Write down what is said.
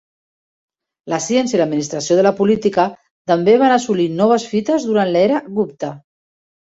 La ciència i l'administració de la política també van assolir noves fites durant l'era Gupta.